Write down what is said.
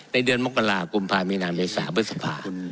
ในเดือนมกลากุมภามินามเยษฐาบึษฐภา